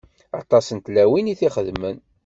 Aṭas n tlawin i t-ixeddmen.